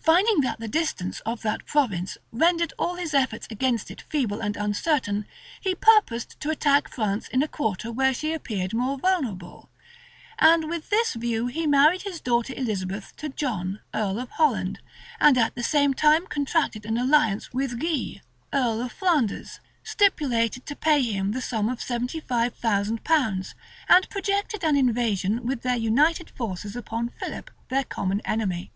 Finding that the distance of that province rendered all his efforts against it feeble and uncertain, he purposed to attack France in a quarter where she appeared more vulnerable; and with this view he married his daughter Elizabeth to John, earl of Holland, and at the same time contracted an alliance with Guy, earl of Flanders, stipulated to pay him the sum of seventy five thousand pounds, and projected an invasion with their united forces upon Philip, their common enemy.